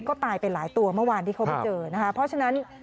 ก็ตายไปหลายตัวเมื่อวานที่เขาไปเจอนะคะเพราะฉะนั้น